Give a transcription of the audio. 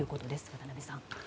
渡辺さん。